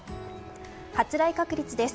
発雷確率です。